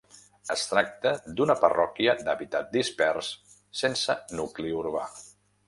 Es tracta d'una parròquia d'hàbitat dispers, sense nucli urbà.